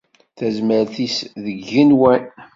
Tazmert-is deg yigenwan.